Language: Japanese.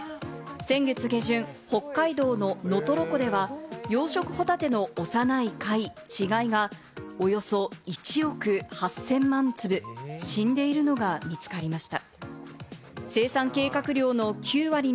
先月下旬、北海道の能取湖では養殖ホタテの幼い貝、稚貝がおよそ１億８０００万粒、死んでいるのが見つかりました。